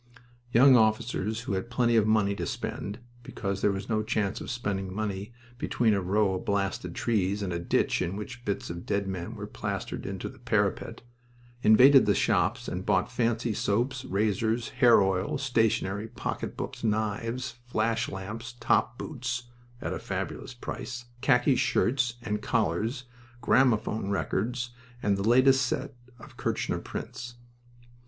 Young officers, who had plenty of money to spend because there was no chance of spending money between a row of blasted trees and a ditch in which bits of dead men were plastered into the parapet invaded the shops and bought fancy soaps, razors, hair oil, stationery, pocketbooks, knives, flash lamps, top boots (at a fabulous price), khaki shirts and collars, gramophone records, and the latest set of Kirchner prints.